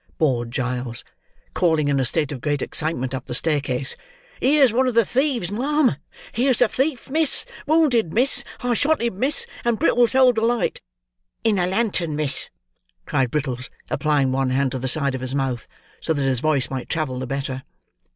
bawled Giles, calling in a state of great excitement, up the staircase; "here's one of the thieves, ma'am! Here's a thief, miss! Wounded, miss! I shot him, miss; and Brittles held the light." "—In a lantern, miss," cried Brittles, applying one hand to the side of his mouth, so that his voice might travel the better.